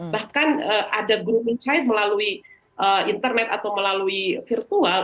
bahkan ada grup mencari melalui internet atau melalui virtual